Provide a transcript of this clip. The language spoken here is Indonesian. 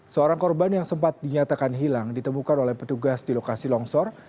seorang korban yang sempat dinyatakan hilang ditemukan oleh petugas di lokasi longsor